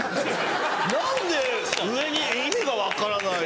何で上に意味が分からない。